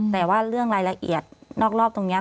แต่ว่าเรื่องรายละเอียดนอกรอบตรงนี้